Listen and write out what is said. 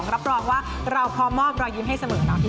รับรองว่าเราพอมอบรอยยิ้มให้เสมอเนาะ